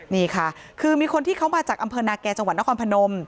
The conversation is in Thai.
นี่ค่ะคือมีคนที่เขามาจากอำเภอนาแก่จังหวัดนครพนม